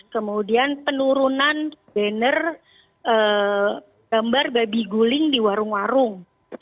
kemudian penurunan banner gambar babi guling di warung warung